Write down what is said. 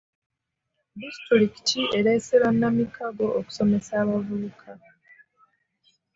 Disitulikiti ereese bannamikago okusomesa abavubuka.